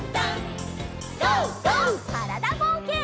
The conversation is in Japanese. からだぼうけん。